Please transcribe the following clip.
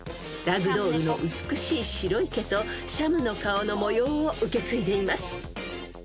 ［ラグドールの美しい白い毛とシャムの顔の模様を受け継いでいます］